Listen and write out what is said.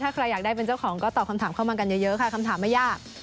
ถ้าใครอยากได้เป็นเจ้าของก็ตอบคำถามเข้ามากันเยอะค่ะคำถามไม่ยาก